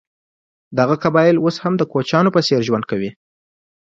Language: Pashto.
دغه قبایل اوس هم د کوچیانو په څېر ژوند کوي.